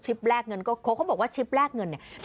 ชิปแรกเงินกูเค้าบอกว่าชิปแรกเงินเนี่ย